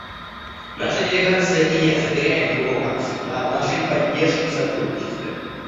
Наша делегация и я заверяем его, как всегда, в нашей поддержке и сотрудничестве.